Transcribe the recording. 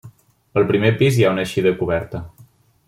El primer pis hi ha una eixida coberta.